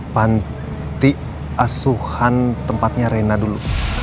panti asuhan tempatnya reina dulu